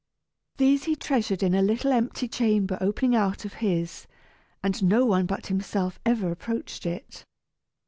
These he treasured in a little empty chamber opening out of his, and no one but himself ever approached it.